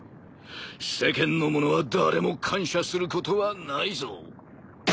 世間の者は誰も感謝することはないぞ。